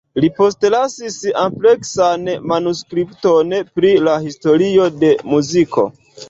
Li postlasis ampleksan manuskripton pri la historio de muziko.